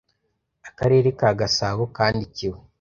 Akarere ka Gasabo kandikiwe